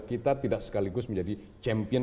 kita tidak sekaligus menjadi champion